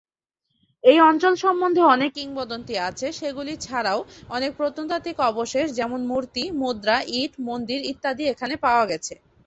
এই অঞ্চল সম্বন্ধে অনেক কিংবদন্তি আছে, সেগুলি ছাড়াও, অনেক প্রত্নতাত্ত্বিক অবশেষ, যেমন মূর্তি, মুদ্রা, ইট, মন্দির ইত্যাদি এখানে পাওয়া গেছে।